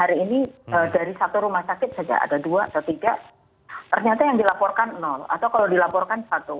hari ini dari satu rumah sakit saja ada dua atau tiga ternyata yang dilaporkan nol atau kalau dilaporkan satu